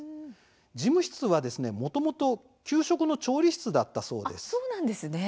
事務所は、もともと給食の調理室だったそうです。